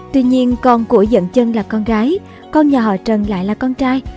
tuy nhiên con của dân trân là con gái con nhà họ trần lại là con trai